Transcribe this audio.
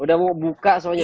udah mau buka soalnya